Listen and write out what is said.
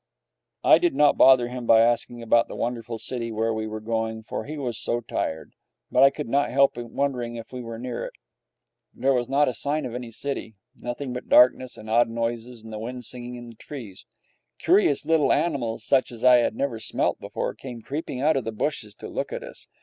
I did not bother him by asking about the wonderful city where we were going, for he was so tired. But I could not help wondering if we were near it. There was not a sign of any city, nothing but darkness and odd noises and the wind singing in the trees. Curious little animals, such as I had never smelt before, came creeping out of the bushes to look at us.